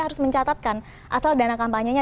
harus mencatatkan asal dana kampanye nya